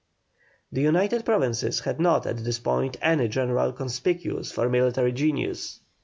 The United Provinces had not at this time any general conspicuous for military genius.